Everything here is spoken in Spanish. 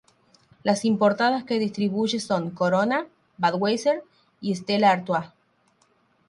Las importadas que distribuye son Corona, Budweiser y Stella Artois.